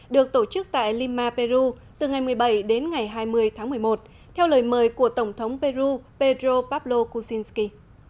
được tổ chức tại lima peru từ ngày một mươi bảy đến ngày hai mươi tháng một mươi một theo lời mời của tổng thống peru pedro balo kuzinsky